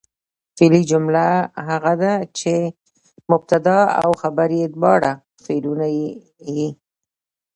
فعلي جمله هغه ده، چي مبتدا او خبر ئې دواړه فعلونه يي.